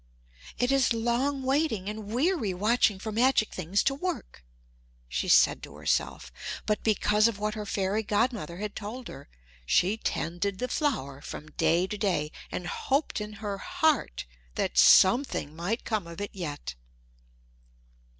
"It is long waiting and weary watching for magic things to work," said she to herself; but because of what her fairy godmother had told her, she tended the flower from day to day, and hoped in her heart that something might come of it yet.